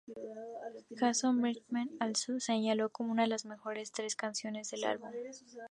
Jason Birchmeier de Allmusic, señaló como una de las "mejores tres canciones" del álbum.